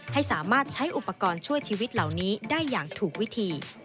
ให้สามารถใช้อุปกรณ์ช่วยชีวิตเหล่านี้ได้อย่างถูกวิธี